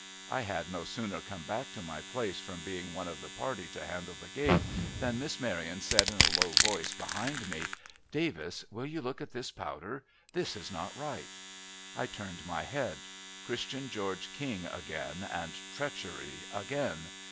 I had no sooner come back to my place from being one of the party to handle the gate, than Miss Maryon said in a low voice behind me :' Davis, will you look at this powder ? This is not right.' I turned my head. Christian George King again, and treachery again